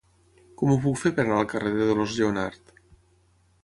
Com ho puc fer per anar al carrer de Dolors Lleonart?